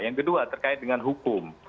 yang kedua terkait dengan hukum